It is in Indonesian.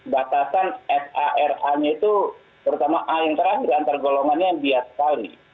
batasan s a r a nya itu terutama a yang terakhir antar golongannya yang bias sekali